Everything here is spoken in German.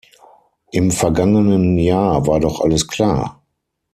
Im vergangenen Jahr war doch alles klar!